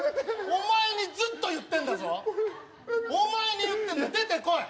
お前にずっと言ってんだぞ、出てこい。